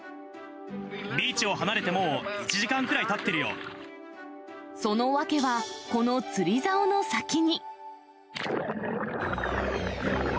ビーチを離れてもう１時間くその訳は、この釣りざおの先に。